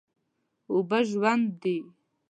اوبه ژوند دي.